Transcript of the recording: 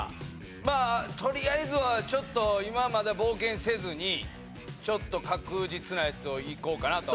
まあとりあえずはちょっと今はまだ冒険せずにちょっと確実なやつをいこうかなと。